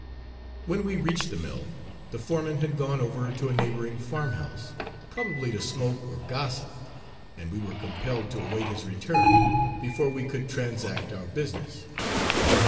When we reached the mill, the foreman had gone over to a neighboring farmhouse, probably to smoke or gossip, and we were compelled to await his return before we could transact our business.